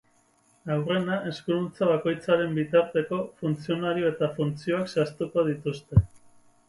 Aurrena, eskuduntza bakoitzaren bitarteko, funtzionario eta funtzioak zehaztuko dituzte.